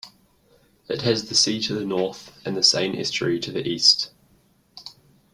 It has the sea to the North, and the Seine estuary to the East.